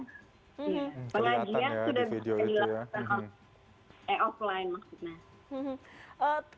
pengajian sudah dilakukan offline maksudnya